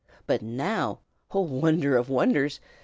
But now oh, wonder of wonders!